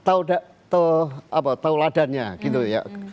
ada tauladannya gitu ya